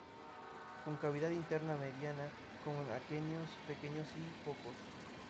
Con cavidad interna mediana, con aquenios pequeños y pocos.